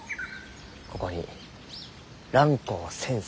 ここに蘭光先生